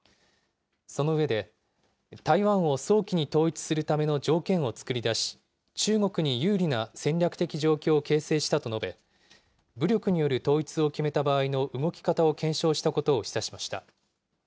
その上で、台湾を早期に統一するための条件を作り出し、中国に有利な戦略的状況を形成したと述べ、武力による統一を決めた場合の動き方を検証したことを示唆しました。